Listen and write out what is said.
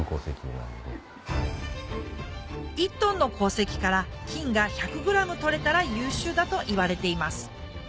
１ｔの鉱石から金が１００ｇ採れたら優秀だといわれています